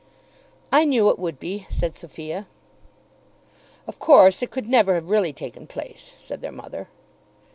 "I knew it would be," said Sophia. "Of course it could never have really taken place," said their mother.